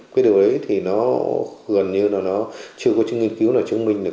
cái điều đấy thì nó gần như là nó chưa có nghiên cứu nào chứng minh được